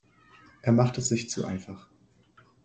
Er macht es sich zu einfach.